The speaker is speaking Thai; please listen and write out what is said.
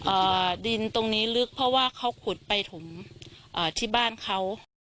ดินตรงนี้ลึกเพราะว่าเขาขุดไปถมอ่าที่บ้านเขา